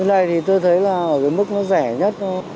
như thế này thì tôi thấy là ở cái mức nó rẻ nhất thôi